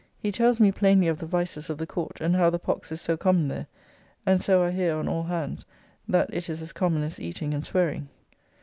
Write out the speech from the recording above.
He tells me plainly of the vices of the Court, and how the pox is so common there, and so I hear on all hands that it is as common as eating and swearing.